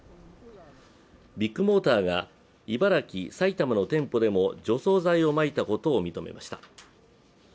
ビッグモーターが茨城、埼玉の店舗でも除草剤をまいたことを認めました。